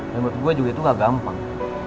dan menurut gue juga itu gak gampang